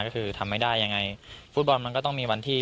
ก็คือทำไม่ได้ยังไงฟุตบอลมันก็ต้องมีวันที่